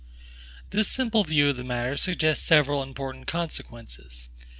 This simple view of the matter suggests several important consequences.